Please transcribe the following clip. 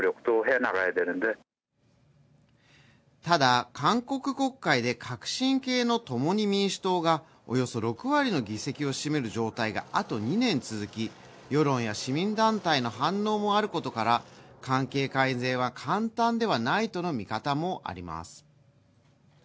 ただ、韓国国会で革新系の共に民主党がおよそ６割の議席を占める状態が、あと２年続き世論や市民団体の反応もあることから関係改善は簡単ではないとの見方もあります。